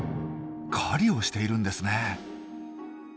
狩りをしているんですね。